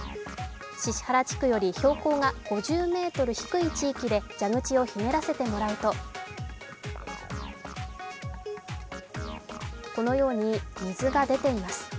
宍原地区より標高が５０ｍ低い地域で蛇口をひねらせてもらうとこのように水が出ています。